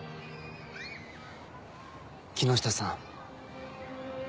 木下さん。